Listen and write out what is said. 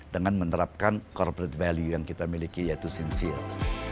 dengan menerapkan corporate value yang kita miliki yaitu sinceal